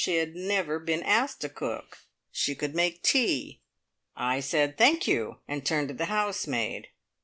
She had never been asked to cook. She could make tea. I said, "Thank you!" and turned to the housemaid.